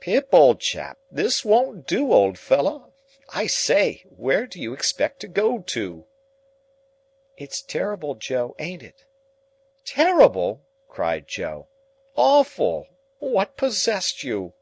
"Pip, old chap! This won't do, old fellow! I say! Where do you expect to go to?" "It's terrible, Joe; ain't it?" "Terrible?" cried Joe. "Awful! What possessed you?"